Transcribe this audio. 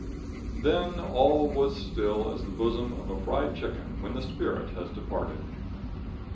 Then all was still as the bosom of a fried chicken when the spirit has departed.